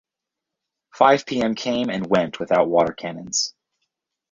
Five p.m. came and went without water cannons.